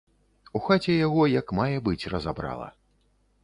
У хаце яго як мае быць разабрала.